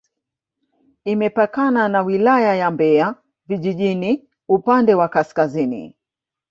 Imepakana na Wilaya ya Mbeya vijijini upande wa kaskazini